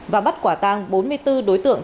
và bắt quả tang bốn mươi bốn đối tượng